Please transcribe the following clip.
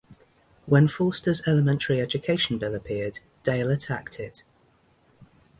When Forster's Elementary Education Bill appeared, Dale attacked it.